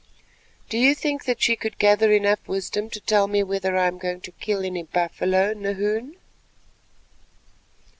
"Do you think that she could gather enough wisdom to tell me whether I am going to kill any buffalo, Nahoon?"